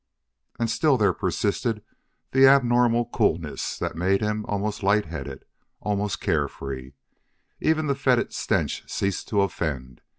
And still there persisted that abnormal coolness that made him almost light headed, almost carefree. Even the fetid stench ceased to offend.